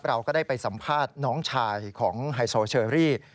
เราก็ได้ไปสัมภาษณ์น้องชายของไฮโซเชอรี่